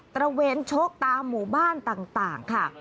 ระเวนชกตามหมู่บ้านต่างค่ะ